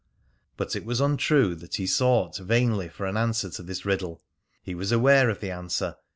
But it was untrue that he sought vainly for an answer to this riddle. He was aware of the answer.